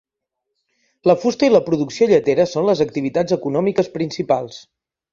La fusta i la producció lletera són les activitats econòmiques principals.